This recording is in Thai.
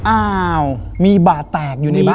อ้าวมีบาดแตกอยู่ในบ้าน